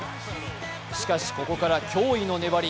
しかし、ここから驚異の粘り。